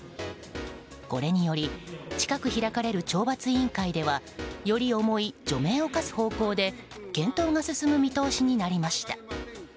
これにより近く開かれる懲罰委員会ではより重い除名を科す方向で検討が進む見通しになりました。